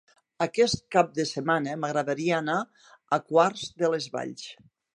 Aquest cap de setmana m'agradaria anar a Quart de les Valls.